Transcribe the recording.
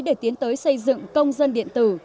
để tiến tới xây dựng công dân điện tử